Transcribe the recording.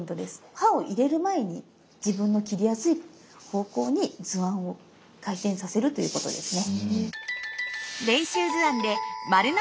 刃を入れる前に自分の切りやすい方向に図案を回転させるということですね。